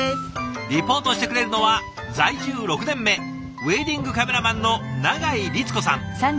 リポートしてくれるのは在住６年目ウエディングカメラマンの永井律子さん。